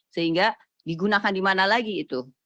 sehingga digunakan di mana lagi itu